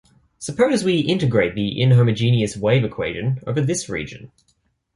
Suppose we integrate the inhomogeneous wave equation over this region.